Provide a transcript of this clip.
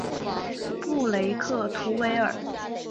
布雷克图维尔。